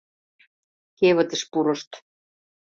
Кевытыш пурышт.